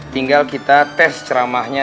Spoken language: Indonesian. tinggal kita tes ceramahnya